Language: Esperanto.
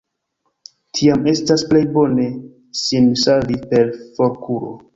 Tiam estas plej bone sin savi per forkuro.